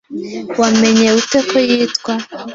Wamenye ute ko yitwa ?